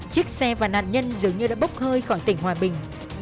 chiếc xe và nạn nhân dường như đã bốc hơi khỏi tỉnh hòa bình